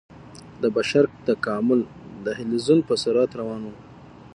د بشر تکامل د حلزون په سرعت روان و.